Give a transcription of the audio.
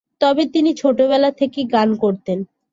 তবে তিনি ছোটবেলা থেকেই গান করতেন।